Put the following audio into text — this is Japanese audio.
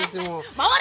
回れ！